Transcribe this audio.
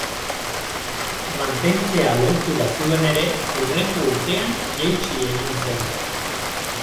Mantentzea lortu bazuen ere hurrengo urtean jaitsi egin zen.